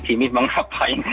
jimin mau ngapain